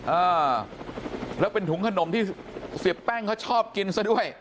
อ่าแล้วเป็นถุงขนมที่เสียแป้งเขาชอบกินซะด้วย